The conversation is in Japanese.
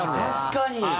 確かに！